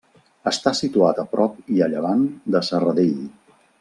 Està situat a prop i a llevant de Serradell.